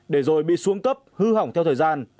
để rồi bị xuống cấp hư hỏng theo thời gian